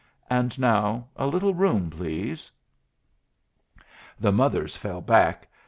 And now a little room, please." The mothers fell back.